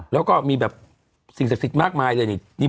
แล้วก็มีแบบสิ่งศักดิ์สิทธิ์มากมายเลยนี่